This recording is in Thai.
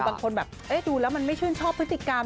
บางคนแบบดูแล้วมันไม่ชื่นชอบพฤติกรรม